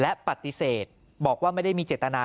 และปฏิเสธบอกว่าไม่ได้มีเจตนา